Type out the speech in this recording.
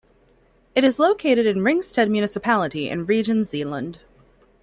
It is located in Ringsted municipality in Region Zealand.